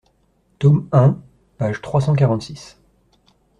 tome un, page trois cent quarante-six.